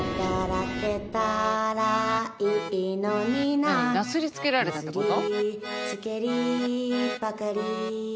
何なすりつけられたってこと？